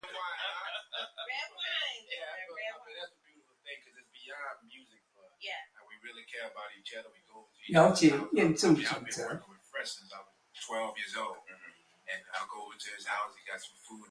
心理治療小說